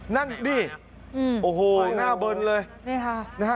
นั่งนี่อืมโอ้โหหน้าเบินเลยที่นี่ค่ะนะฮะ